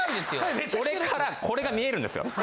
俺からこれが見えるんですよ。